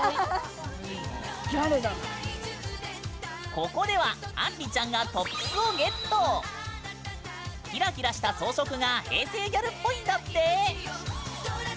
ここではあんりちゃんがキラキラした装飾が平成ギャルっぽいんだって。